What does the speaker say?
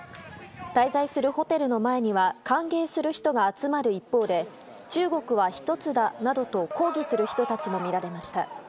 滞在するホテルの前には歓迎する人が集まる一方で中国は１つだなどと抗議する人たちも見られました。